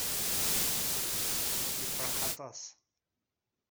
Yefṛeḥ aṭas.